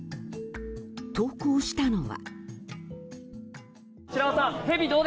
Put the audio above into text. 投稿したのは。